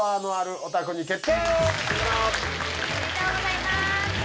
おめでとうございます！